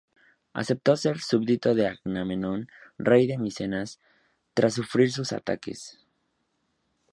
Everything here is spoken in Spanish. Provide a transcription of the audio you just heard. Aceptó ser súbdito de Agamenón, rey de Micenas, tras sufrir sus ataques.